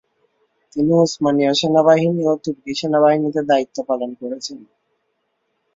তিনি উসমানীয় সেনাবাহিনী ও তুর্কি সেনাবাহিনীতে দায়িত্ব পালন করেছেন।